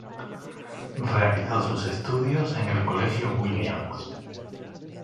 Realizó sus estudios en el Colegio Williams.